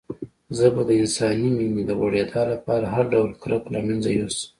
زه به د انساني مينې د غوړېدا لپاره هر ډول کرکه له منځه يوسم.